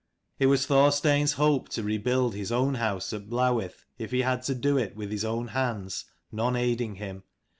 It was Thorstein's hope to rebuild his own house at Blawith, if he had to do it with his own hands, none aiding him.